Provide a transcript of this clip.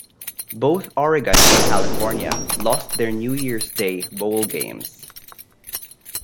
Both Oregon and California lost their New Year's Day bowl games.